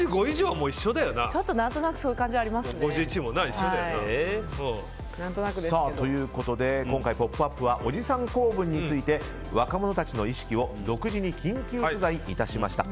何となくそういう感じが今回「ポップＵＰ！」はおじさん構文について若者たちの意識を独自に緊急取材いたしました。